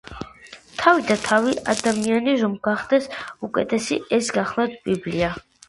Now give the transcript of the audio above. თავი და თავი, ადამიანი რომ გახდეს უკეთესი, ეს გახლავთ ბიბლია